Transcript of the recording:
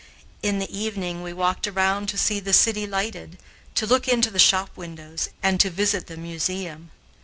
In the evening we walked around to see the city lighted, to look into the shop windows, and to visit the museum.